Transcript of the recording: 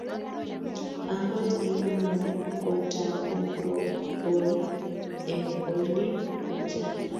Agot inguno kotagoroponi eng' olin po jaa